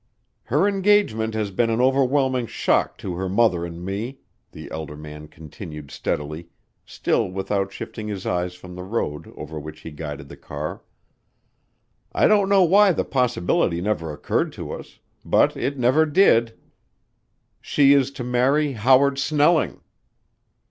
"Her engagement has been an overwhelming shock to her mother and me," the elder man continued steadily, still without shifting his eyes from the road over which he guided the car, "I don't know why the possibility never occurred to us; but it never did. She is to marry Howard Snelling."